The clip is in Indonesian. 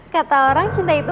kata orang cinta itu